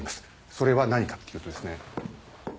それは何かっていうとですね。